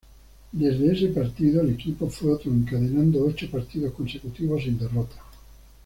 Desde ese partido, el equipo fue otro encadenando ocho partidos consecutivos sin derrotas.